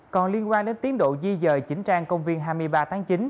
còn liên quan đến tiến độ di dời chỉnh trang công viên hai mươi ba tháng chín